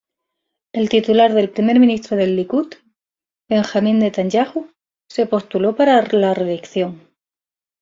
El titular del Primer Ministro del Likud, Benjamin Netanyahu, se postuló para la reelección.